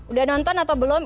udah nonton atau belum